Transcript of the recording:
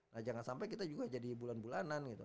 nah jangan sampai kita juga jadi bulan bulanan gitu